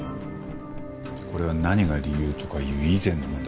これは何が理由とかいう以前の問題だ。